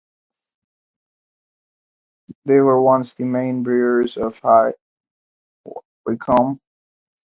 They were once the main brewers of High Wycombe.